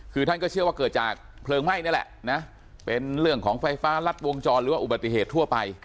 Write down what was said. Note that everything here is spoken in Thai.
คือท่านก็เชื่อว่าเกิดจากเพลิงไหม้นี่แหละนะเป็นเรื่องของไฟฟ้ารัดวงจรหรือว่าอุบัติเหตุทั่วไป